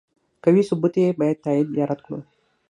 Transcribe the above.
قوي ثبوت یې باید تایید یا رد کړي.